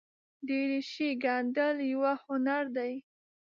دریشي ګنډل یوه هنر دی.